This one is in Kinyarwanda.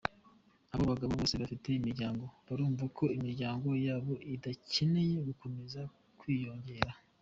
Abo bagabo bose bafite imiryango, barumva ko imiryango yabo idakeneye gukomeza kwiyongera.